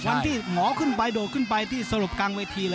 วันที่หมอขึ้นไปโดดขึ้นไปที่สลบกลางเวทีเลย